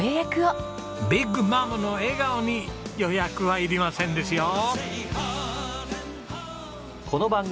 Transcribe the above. ビッグマムの笑顔に予約はいりませんですよ！